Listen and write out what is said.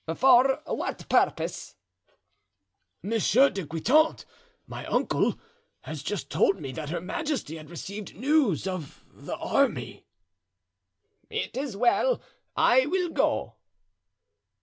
"For what purpose?" "Monsieur de Guitant, my uncle, has just told me that her majesty had received news of the army." "It is well; I will go."